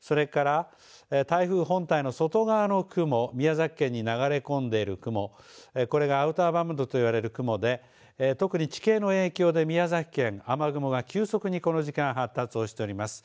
それから台風本体の外側の雲、宮崎県に流れ込んでいる雲、これがアウターバンドといわれる雲で特に地形の影響で宮崎県雨雲が急速にこの時間、発達をしております。